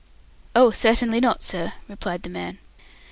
"Oh, certainly not, sir," replied the man.